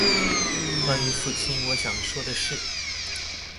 關於父親，我想說的事